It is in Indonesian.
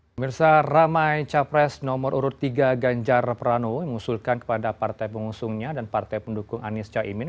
pemirsa ramai capres nomor urut tiga ganjar prano mengusulkan kepada partai pengusungnya dan partai pendukung anies chaimin